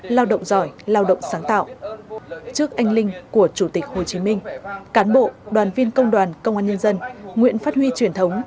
lao động giỏi lao động sáng tạo trước anh linh của chủ tịch hồ chí minh cán bộ đoàn viên công đoàn công an nhân dân nguyện phát huy truyền thống